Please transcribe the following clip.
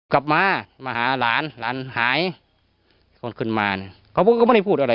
กลับมามาหาหลานหลานหายคนขึ้นมาเนี่ยเขาก็ไม่ได้พูดอะไร